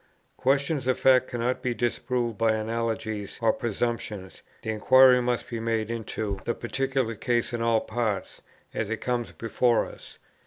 Questions of fact cannot be disproved by analogies or presumptions; the inquiry must be made into the particular case in all its parts, as it comes before us.